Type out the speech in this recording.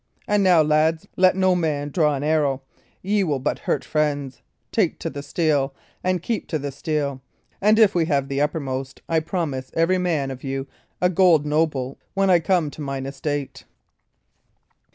And now, lads, let no man draw an arrow; ye will but hurt friends. Take to the steel, and keep to the steel; and if we have the uppermost, I promise every man of you a gold noble when I come to mine estate."